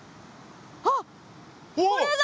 ああこれだ！